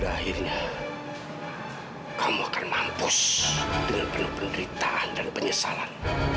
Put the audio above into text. akhirnya kamu akan mampus dengan penuh penderitaan dan penyesalan